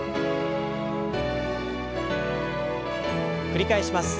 繰り返します。